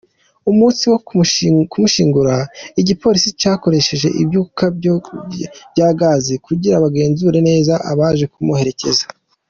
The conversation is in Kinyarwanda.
Umunsi wo kumushingura, igipolisi cakoresheje ivyuka vya gazi kugira bagenzure neza abaje kumuherekeza.